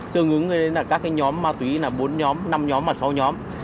tương ứng với các nhóm ma túy là bốn nhóm năm nhóm và sáu nhóm